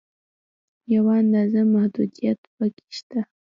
یوه اندازه محدودیت په کې شته.